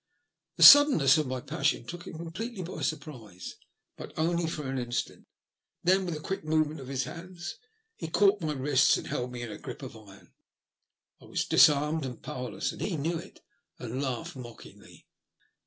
The suddenness of my passion took him completely by surprise, but only for an instant. Then, with a quick movement of his hands, he caught my wrists, and held me in a grip of iron. I was disarmed and powerless, and he knew it, and laughed mockingly.